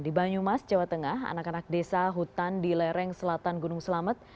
di banyumas jawa tengah anak anak desa hutan di lereng selatan gunung selamet